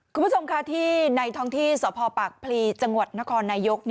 คุณผู้ชมค่ะที่ในท้องที่สพปากพลีจังหวัดนครนายก